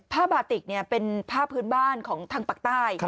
ผ้าบาติกเป็นผ้าพื้นบ้านของทางปากใต้